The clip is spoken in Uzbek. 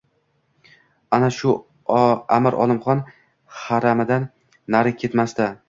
— Ana shu amir Olimxon... haramidan nari ketmasdi.